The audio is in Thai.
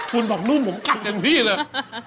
คุณบอกนุ่มผมกัดเต็มที่เลย